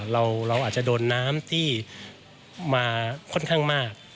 เราอาจจะโดนน้ำที่มาค่อนข้างมาก